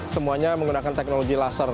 semuanya menggunakan teknologi laser